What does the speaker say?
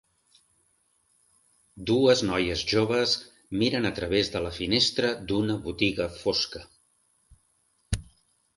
Dues noies joves miren a través de la finestra d'una botiga fosca.